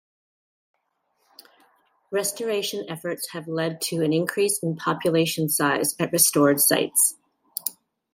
Restoration efforts have led to an increase in population size at restored sites.